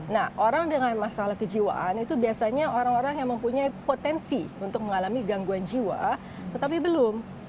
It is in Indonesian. nah orang dengan masalah kejiwaan itu biasanya orang orang yang mempunyai potensi untuk mengalami gangguan jiwa tetapi belum